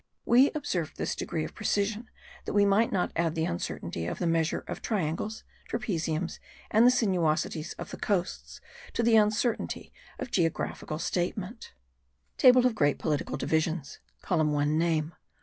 We observed this degree of precision that we might not add the uncertainty of the measure of triangles, trapeziums, and the sinuosities of the coasts, to the uncertainty of geographical statements. TABLE OF GREAT POLITICAL DIVISIONS. COLUMN 1 : NAME.